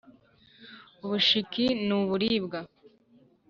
Ubushiki ni uburibwa.